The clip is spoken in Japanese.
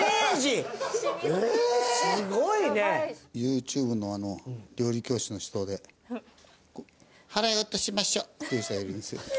ＹｏｕＴｕｂｅの料理教室の人で「払い落としましょ」って言う人がいるんですよ。